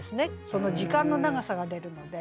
その時間の長さが出るので。